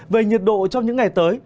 về nhiệt độ trong những ngày tới